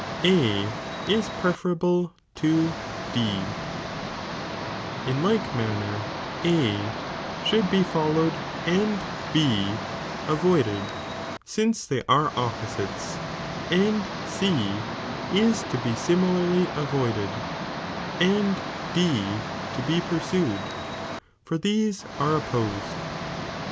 A is preferable to D, in like manner A should be followed and B avoided, aince they are opposites, and C (is to be similarly avoided) and D (to be pursued), for these are opposed.